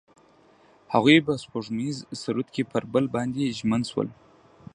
هغوی په سپوږمیز سرود کې پر بل باندې ژمن شول.